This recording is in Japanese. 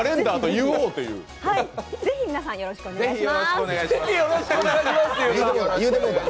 ぜひ皆さん、よろしくお願いします！